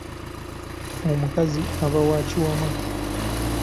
Omukazi aba wa kiwamma.